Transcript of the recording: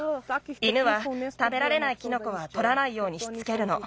犬はたべられないキノコはとらないようにしつけるの。